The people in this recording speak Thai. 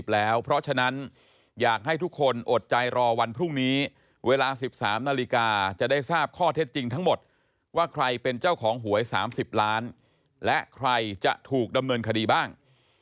เพราะฉะนั้นอยากให้ทุกคนอดใจรอวันพรุ่งนี้เวลา๑๓นาฬิกาจะได้ทราบข้อเท็จจริงทั้งหมดว่าใครเป็นเจ้าของหวย๓๐ล้านและใครจะถูกดำเนินคดีบ้าง